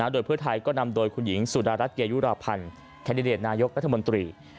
โดยเพื่อไทยก็นำโดยคุณหญิงสุดารัฐเกยุราพันธ์แคนดิเดตนายกรัฐมนตรี